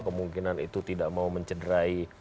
kemungkinan itu tidak mau mencederai